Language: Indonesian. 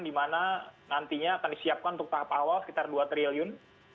dimana nantinya akan disiapkan untuk tahap awal sekitar rp dua triliun